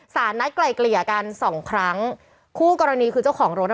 ศาลนั้นใกล่เกลี่ยกัน๒ครั้งคู่กรณีคือเจ้าของโรต